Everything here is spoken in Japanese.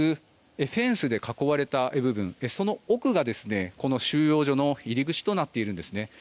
フェンスで囲われた部分その奥が収容所の入り口となっているんですね。